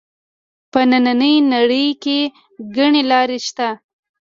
په نننۍ نړۍ کې ګڼې لارې شته